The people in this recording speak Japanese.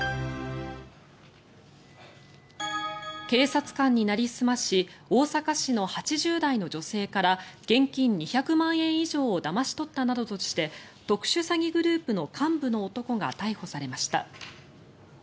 警察官になりすまし大阪市の８０代の女性から現金２００万円以上をだまし取ったなどとして特殊詐欺グループの幹部の男が逮捕されました。